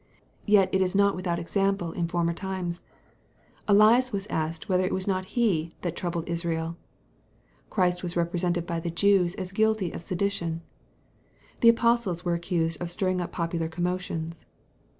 Yet it is not without example in former times. Elias was asked whether it was not he "that troubled Israel." Christ was represented by the Jews as guilty of sedition. The apostles were accused of stirring up popular commotions.